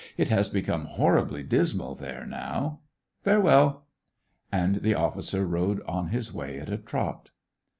It has become horribly dismal there now. ... Farewell !" And the officer rode on his way at a trot.